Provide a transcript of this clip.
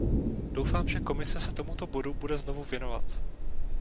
Doufám, že Komise se tomuto bodu bude znovu věnovat.